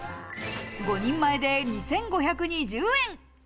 ５人前で２５２０円。